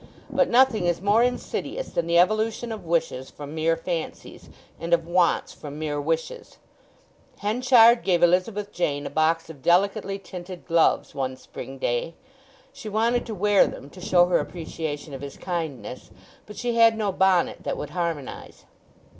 But nothing is more insidious than the evolution of wishes from mere fancies, and of wants from mere wishes. Henchard gave Elizabeth Jane a box of delicately tinted gloves one spring day. She wanted to wear them to show her appreciation of his kindness, but she had no bonnet that would harmonize.